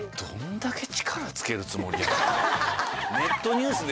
どんだけ力つけるつもりや。